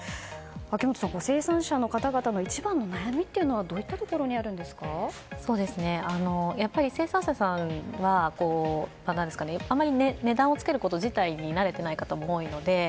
秋元さん、生産者の方々の一番の悩みはどういったところにやっぱり生産者さんはあんまり値段をつけること自体に慣れていない方も多いので。